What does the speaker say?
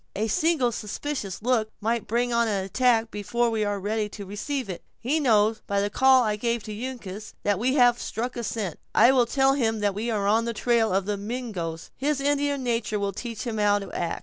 A single suspicious look might bring on an attack before we are ready to receive it. He knows, by the call I gave to Uncas, that we have struck a scent; I will tell him that we are on the trail of the Mingoes; his Indian nature will teach him how to act."